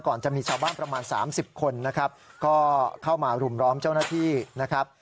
ก่อนจะมีชาวบ้านประมาณ๓๐คนนะครับก็เข้ามาหลุมล้อมเจ้าหน้าที่นะครับ